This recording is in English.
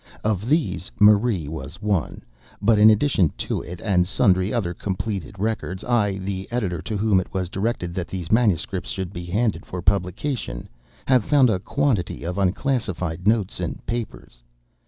Of these "Marie" was one, but in addition to it and sundry other completed records I, the Editor to whom it was directed that these manuscripts should be handed for publication, have found a quantity of unclassified notes and papers.